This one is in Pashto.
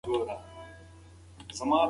تورې پيشو د غره په لور په منډه لاړه.